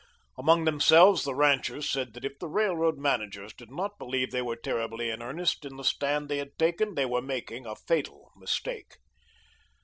Among themselves, the ranchers said that if the Railroad managers did not believe they were terribly in earnest in the stand they had taken, they were making a fatal mistake.